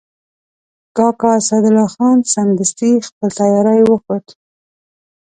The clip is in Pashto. کاکا اسدالله خان سمدستي خپل تیاری وښود.